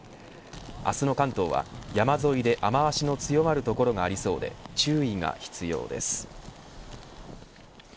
明日の関東は、山沿いで雨脚の強まる所がありそうで注意が必要です。